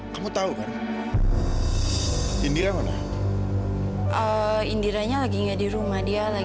kamu tidak kenal sama saya